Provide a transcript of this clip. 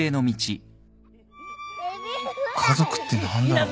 家族って何だろう